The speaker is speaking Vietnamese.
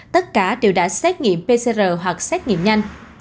tất cả đều đã xét nghiệm pcr hoặc xét nghiệm nhanh